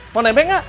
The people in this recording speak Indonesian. mau nemeh gak